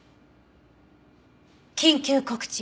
「緊急告知！」